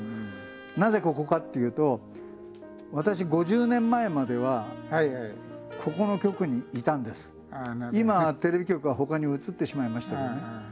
なぜここかっていうと今テレビ局はほかに移ってしまいましたけどね。